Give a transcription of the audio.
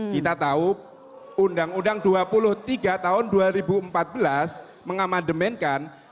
kita tahu undang undang dua puluh tiga tahun dua ribu empat belas mengamandemenkan